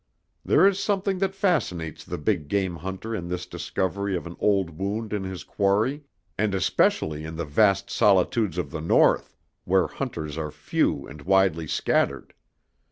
There is something that fascinates the big game hunter in this discovery of an old wound in his quarry, and especially in the vast solitudes of the North, where hunters are few and widely scattered.